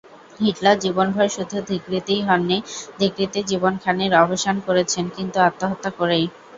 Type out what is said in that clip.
Hitler জীবনভর শুধু ধিক্কৃতই হননি, ধিক্কৃত জীবনখানির অবসান করেছেন কিন্তু আত্মহত্যা করেই।